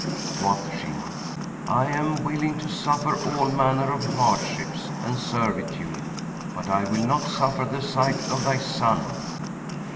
Quoth she, "I am willing to suffer all manner of hardships and servitude, but I will not suffer the sight of thy son."